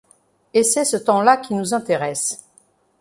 Et c’est ce temps-là qui nous intéresse.